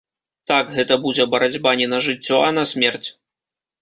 Так, гэта будзе барацьба не на жыццё а на смерць.